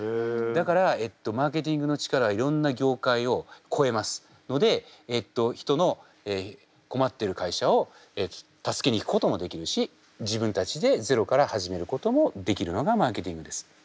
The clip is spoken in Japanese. だからマーケティングの力はいろんな業界を超えますのでえっと人の困っている会社を助けに行くこともできるし自分たちでゼロから始めることもできるのがマーケティングです。